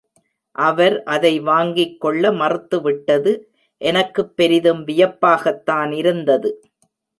அவர் அதை வாங்கிக் கொள்ள மறுத்து விட்டது எனக்குப் பெரிதும் வியப்பாகத்தான் இருந்தது.